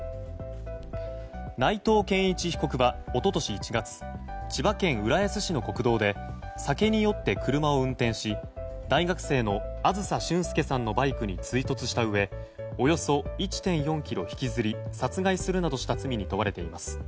内藤健一被告は一昨年１月千葉県浦安市の国道で酒に酔って車を運転し大学生の梓隼輔さんのバイクに追突したうえおよそ１．４ｋｍ引きずり殺害するなどした罪に問われています。